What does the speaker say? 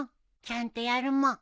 ちゃんとやるもん。